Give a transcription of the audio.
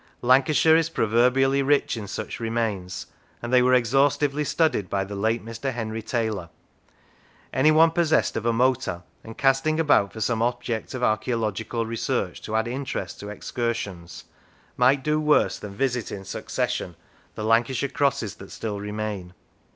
Lancashire is proverb ially rich in such remains, and they were exhaustively studied by the late Mr. Henry Taylor. Anyone possessed of a motor, and casting about for some object of archaeological research to add interest to excursions, might do worse than visit in succession the Lancashire crosses that still remain.